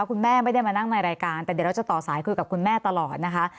คุณแม่ไม่ได้มานั่งในรายการแต่เดี๋ยวเราจะต่อสายคุยกับคุณแม่ตลอดนะคะ